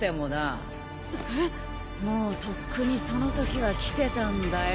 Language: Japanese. もうとっくにそのときは来てたんだよ。